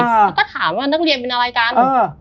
เขาก็ถามว่านักเรียนเป็นอะไรกัน